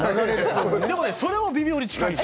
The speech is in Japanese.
でもねそれも微妙に近いの。